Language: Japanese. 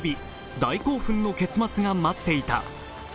大興奮の結末が待っていた。